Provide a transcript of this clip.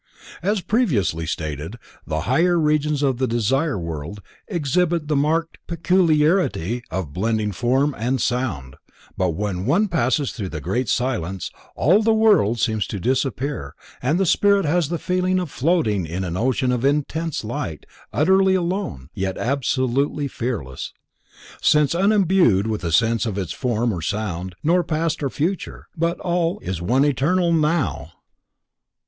As previously stated, the higher Regions of the Desire World exhibit the marked peculiarity of blending form and sound, but when one passes through the Great Silence, all the world seems to disappear and the spirit has the feeling of floating in an ocean of intense light, utterly alone, yet absolutely fearless, since unimbued with a sense of its form or sound, nor past or future, but all is one eternal NOW.